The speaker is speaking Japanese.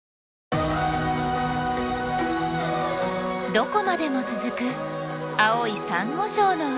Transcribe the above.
どこまでも続く青いサンゴ礁の海。